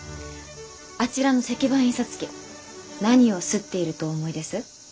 あちらの石版印刷機何を刷っているとお思いです？